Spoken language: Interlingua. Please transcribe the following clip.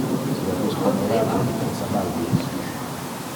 Sia dishonorate qui pensa mal de isto.